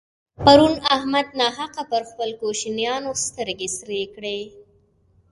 پرون احمد ناحقه پر خپلو کوشنيانو سترګې سرې کړې.